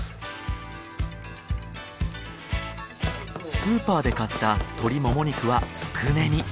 スーパーで買った鶏モモ肉はつくねに。